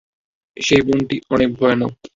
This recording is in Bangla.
সেই বনটি অনেক ভয়ানক।